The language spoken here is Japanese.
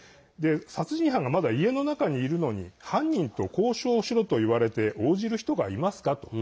殺人犯が、まだ家の中にいるのに犯人と交渉しろと言われて応じる人がいますかと。